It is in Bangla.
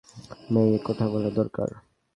মেই, কথা বলা দরকার।